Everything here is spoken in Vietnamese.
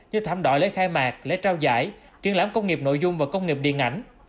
như thảm đoại lễ khai mạc lễ trao giải triển lãm công nghiệp nội dung và công nghiệp điện ảnh